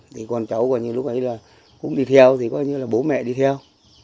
thì con cháu có những lúc ấy là cũng đi theo thì có như là bố mẹ đi theo